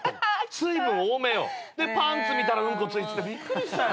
水分多めよ。でパンツ見たらうんこついててびっくりしたよ。